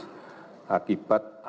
jadi ini adalah yang kita harus lakukan